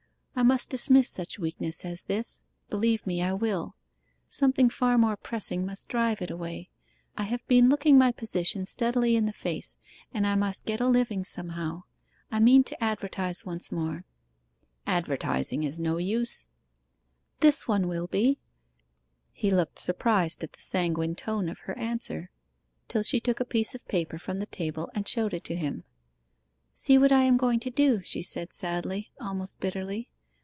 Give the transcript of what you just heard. I must dismiss such weakness as this believe me, I will. Something far more pressing must drive it away. I have been looking my position steadily in the face, and I must get a living somehow. I mean to advertise once more.' 'Advertising is no use.' 'This one will be.' He looked surprised at the sanguine tone of her answer, till she took a piece of paper from the table and showed it him. 'See what I am going to do,' she said sadly, almost bitterly.